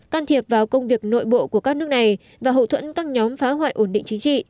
can thiệp vào công việc nội bộ của các nước này và hậu thuẫn các nhóm phá hoại ổn định chính trị